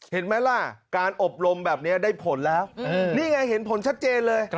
เห็นไหมล่ะการอบรมแบบนี้ได้ผลแล้วนี่ไงเห็นผลชัดเจนเลย